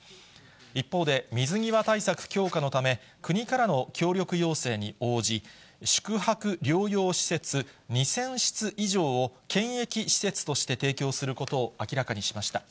一方で、水際対策強化のため、国からの協力要請に応じ、宿泊療養施設２０００室以上を、検疫施設として提供することを明らかにしました。